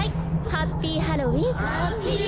ハッピーハロウィン！